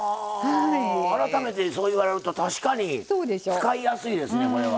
改めてそう言われると確かに使いやすいですね、これは。